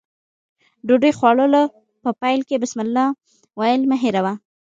د ډوډۍ خوړلو په پیل کې بسمالله ويل مه هېروه.